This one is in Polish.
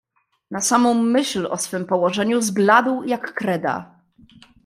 "Na samą myśl o swem położeniu zbladł, jak kreda."